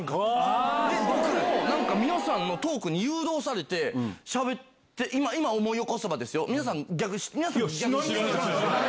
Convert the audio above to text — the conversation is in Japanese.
なんか皆さんのトークに誘導されてしゃべって今、思い起こせばで知らない。